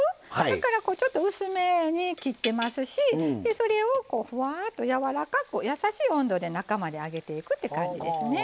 だからちょっと薄めに切ってますしそれをふわっとやわらかく優しい温度で中まで揚げていくって感じですね。